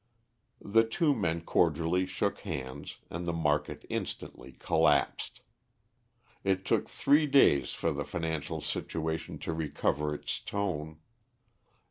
The two men cordially shook hands, and the market instantly collapsed. It took three days for the financial situation to recover its tone.